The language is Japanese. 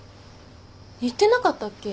言ってなかったっけ？